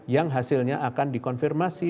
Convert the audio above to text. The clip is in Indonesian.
yang hasilnya akan dikonfirmasi